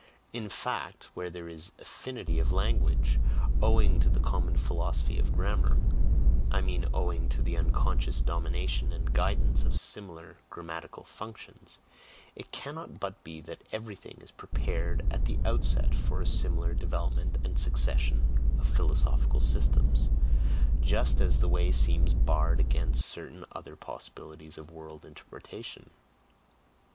In fact, where there is affinity of language, owing to the common philosophy of grammar I mean owing to the unconscious domination and guidance of similar grammatical functions it cannot but be that everything is prepared at the outset for a similar development and succession of philosophical systems, just as the way seems barred against certain other possibilities of world interpretation.